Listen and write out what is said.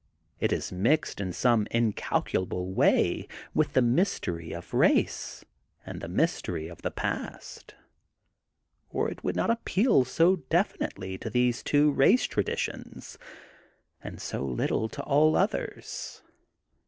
It is mixed in some incalculable way with the mystery of race and the mystery of the past, or it would not appeal so defi liitely to these two race traditions, and so little to all others.